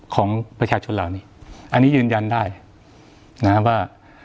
ของประชาชนเหล่านี้อันนี้ยืนยันได้นะครับว่า